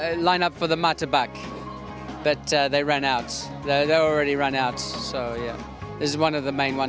sebenarnya ingin mencoba martabak mengalur kehabisan